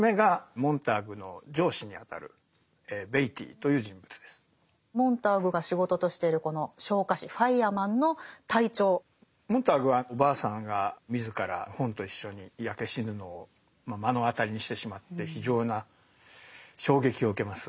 モンターグはおばあさんが自ら本と一緒に焼け死ぬのを目の当たりにしてしまって非常な衝撃を受けます。